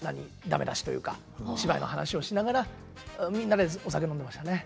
ダメ出しというか芝居の話をしながらみんなでお酒飲んでましたね。